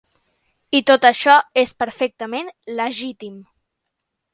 I tot això és perfectament legítim.